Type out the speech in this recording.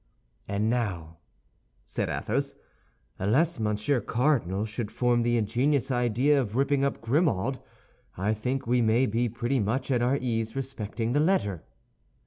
"And now," said Athos, "unless Monsieur Cardinal should form the ingenious idea of ripping up Grimaud, I think we may be pretty much at our ease respecting the letter."